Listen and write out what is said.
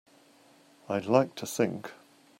I'd like to think.